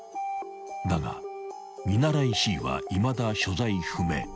［だが見習いＣはいまだ所在不明］